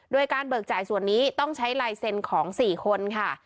โดยการเบิกจ่ายส่วนนี้ต้องใช้ลายเซ็นต์ของ๔คนค่ะ